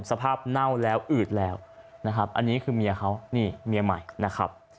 เน่าแล้วอืดแล้วนะครับอันนี้คือเมียเขานี่เมียใหม่นะครับ